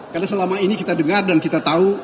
karena selama ini kita dengar dan kita tahu